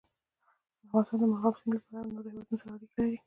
افغانستان د مورغاب سیند له پلوه له نورو هېوادونو سره اړیکې لري.